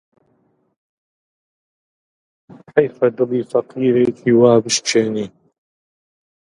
حەیفە دڵی فەقیرێکی وا بشکێنی